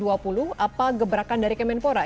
apa gebrakan dari kemenpora